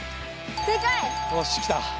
おしきた！